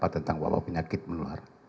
tentang wabah penyakit menular